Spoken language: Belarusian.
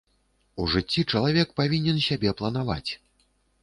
У жыцці чалавек павінен сябе планаваць.